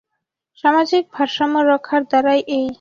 সামাজিক ভারসাম্য রক্ষার ধারাই এই।